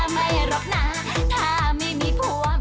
ไม่ให้มีผัวก็ได้